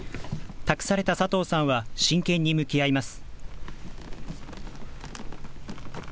託された佐藤さんは、真剣に向き合います。